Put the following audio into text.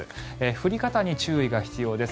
降り方に注意が必要です。